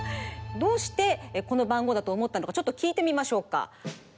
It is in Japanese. どうしてこのばんごうだとおもったのかちょっときいてみましょうか。